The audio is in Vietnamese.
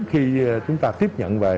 khi chúng ta tiếp nhận về